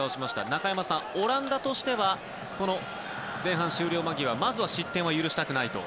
中山さん、オランダとしてはこの前半終了間際まずは失点は許したくないと。